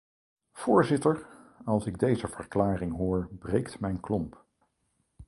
Voorzitter, als ik deze verklaring hoor breekt mijn klomp.